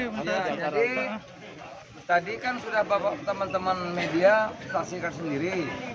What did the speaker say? ya jadi tadi kan sudah bapak teman teman media saksikan sendiri